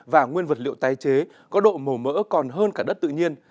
và nguyên vật liệu tái chế có độ màu mỡ còn hơn cả đất tự nhiên